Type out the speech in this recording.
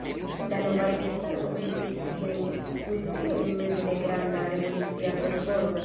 La nova registaro komencis siajn funkciojn meze de granda revolucia fervoro.